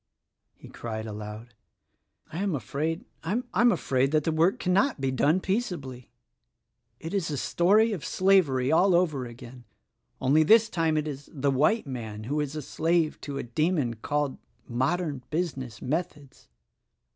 he cried aloud I am afraid, I m afraid that the work cannot be done peaceably. _ It is the story of slavery all over again— only If i 1 "^? 1S 2 16 White man wh ° is slave to a demon called Modern Business Methods.'